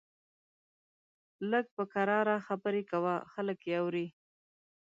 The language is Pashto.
لږ په کرار خبرې کوه، خلک يې اوري!